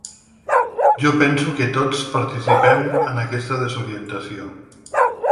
Jo penso que tots participem en aquesta desorientació.